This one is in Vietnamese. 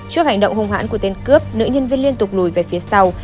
trước hành động hung hãn của tên cướp nữ nhân viên liên tục lùi về phía sau